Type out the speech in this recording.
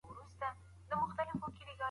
پخوانيو خلګو زغم نه درلود.